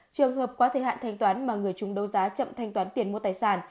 trường hợp qua thời hạn thanh toán mà người chúng đấu giá chậm thanh toán tiền mua tài sản